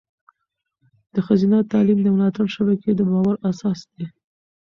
د ښځینه تعلیم د ملاتړ شبکې د باور اساس دی.